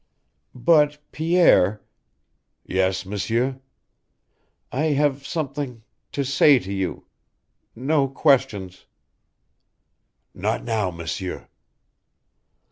"But, Pierre " "Yes, M'sieur." "I have something to say to you no questions " "Not now, M'sieur."